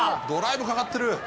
ドライブかかってる。